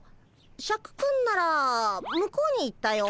シャクくんなら向こうに行ったよ。